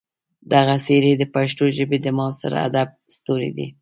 دغه څېرې د پښتو ژبې د معاصر ادب ستوري دي.